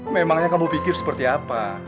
memangnya kamu pikir seperti apa